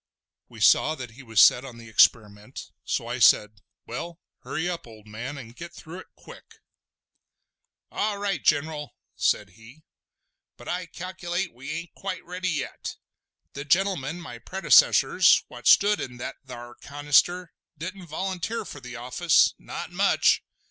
We saw that he was set on the experiment, so I said: "Well, hurry up, old man, and get through it quick!" "All right, General," said he, "but I calculate we ain't quite ready yet. The gentlemen, my predecessors, what stood in that thar canister, didn't volunteer for the office—not much!